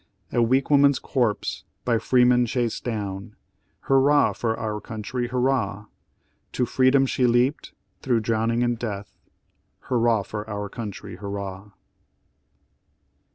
A weak woman's corpse, by freemen chased down; Hurrah for our country! hurrah! To freedom she leaped, through drowning and death Hurrah for our country! hurrah!"